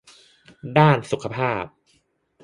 ด้านสุขภาพ